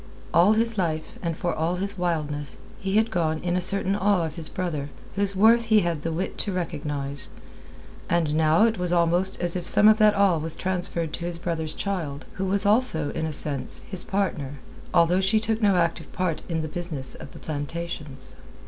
All his life, and for all his wildness, he had gone in a certain awe of his brother, whose worth he had the wit to recognize; and now it was almost as if some of that awe was transferred to his brother's child, who was also, in a sense, his partner, although she took no active part in the business of the plantations.